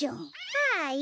はい。